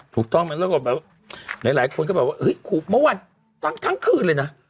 ถูกต้องมันแล้วก็แบบหลายคนก็บอกว่าเมื่อวันทั้งคืนเลยนะ